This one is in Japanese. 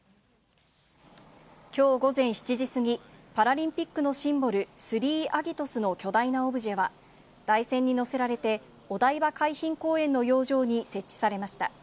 きょう午前７時過ぎ、パラリンピックのシンボル、スリーアギトスの巨大なオブジェは、台船に載せられて、お台場海浜公園の洋上に設置されました。